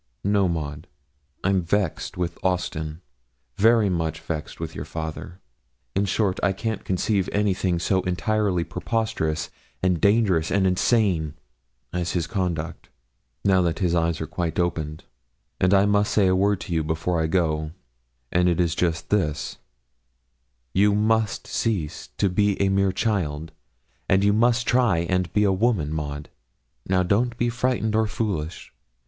'No, Maud; I'm vexed with Austin very much vexed with your father; in short, I can't conceive anything so entirely preposterous, and dangerous, and insane as his conduct, now that his eyes are quite opened, and I must say a word to you before I go, and it is just this: you must cease to be a mere child, you must try and be a woman, Maud: now don't be frightened or foolish, but hear me out.